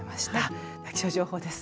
気象情報です。